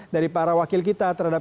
dari para wakil kita terhadap